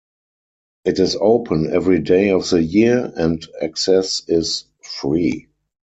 It is open every day of the year and access is free.